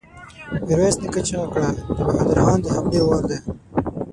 ميرويس نيکه چيغه کړه! د بهادر خان د حملې وار دی!